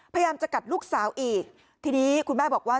พยายามจะกัดลูกสาวอีกทีนี้คุณแม่บอกว่า